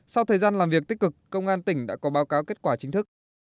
sau thời gian làm việc tích cực công an tỉnh đã có báo cáo kết quả chính thức